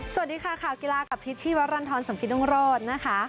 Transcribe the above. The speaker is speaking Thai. สวัสดีค่ะข่าวกีฬากับพิษชีวรรณฑรสมกิตรุงโรธนะคะ